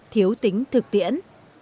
thiếu tính thực tiễn